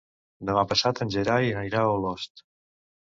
Demà passat en Gerai anirà a Olost.